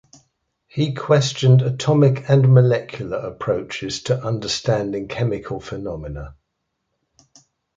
He questioned atomic and molecular approaches to understanding chemical phenomena.